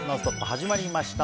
始まりました。